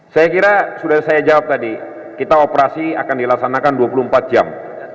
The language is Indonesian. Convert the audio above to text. saya kira sudah saya jawab tadi kita operasi akan dilaksanakan dua puluh empat jam